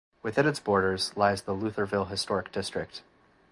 Within its borders lies the Lutherville Historic District.